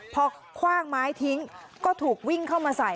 พอคว่างไม้ทิ้งก็ถูกวิ่งเข้ามาใส่